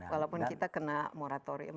walaupun kita kena moratorium